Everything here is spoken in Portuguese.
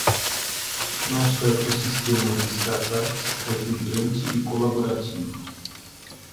Nosso ecossistema de startups é vibrante e colaborativo.